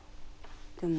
でも